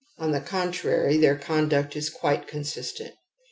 On the contrary, their conduct is quite consistent.